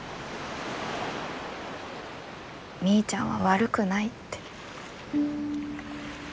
みーちゃんは悪くないって。